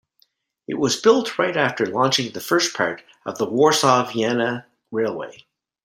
It was built right after launching the first part of the Warsaw- Vienna railway.